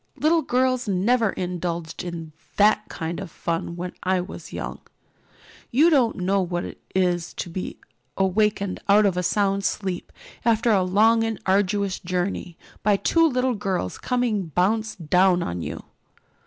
Little girls never indulged in that kind of fun when I was young. You don't know what it is to be awakened out of a sound sleep, after a long and arduous journey, by two great girls coming bounce down on you."